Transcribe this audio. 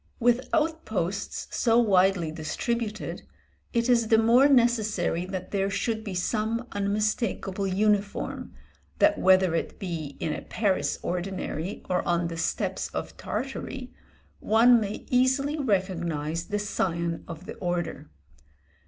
With outposts so widely distributed, it is the more necessary that there should be some unmistakable uniform, that whether it be in a Paris ordinary, or on the steppes of Tartary, one may easily recognise the scion of the order.